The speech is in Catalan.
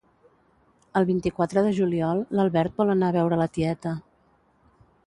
El vint-i-quatre de juliol l'Albert vol anar a veure la tieta